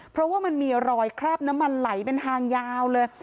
เพราะว่ามันมีรอยคราบน้ำมันไหลเป็นทางยาวเลย